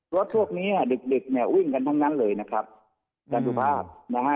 รถทุกข์นี้ดึกเนี่ยวิ่งกันทั้งนั้นเลยนะครับจันทุภาพนะฮะ